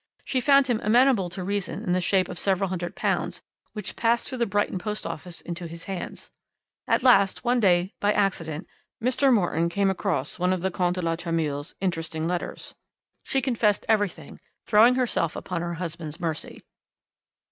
She found him amenable to reason in the shape of several hundred pounds which passed through the Brighton post office into his hands. At last one day, by accident, Mr. Morton came across one of the Comte de la Tremouille's interesting letters. She confessed everything, throwing herself upon her husband's mercy.